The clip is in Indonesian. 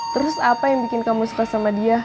terus apa yang bikin kamu suka sama dia